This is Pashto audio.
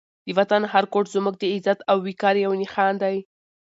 د وطن هر ګوټ زموږ د عزت او وقار یو نښان دی.